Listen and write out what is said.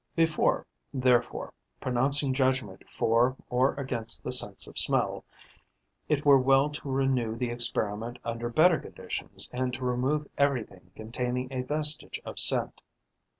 Before, therefore, pronouncing judgment for or against the sense of smell, it were well to renew the experiment under better conditions and to remove everything containing a vestige of scent.